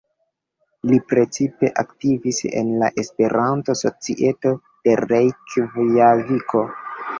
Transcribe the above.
Li precipe aktivis en la Esperanto-societo de Rejkjaviko.